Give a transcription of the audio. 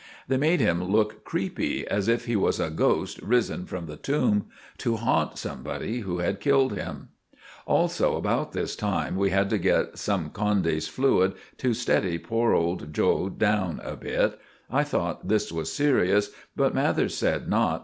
They made him look creepy, as if he was a ghost risen from the tomb to haunt somebody who had killed him. Also about this time we had to get some Condy's fluid to steady poor old 'Joe' down a bit. I thought this was serious, but Mathers said not.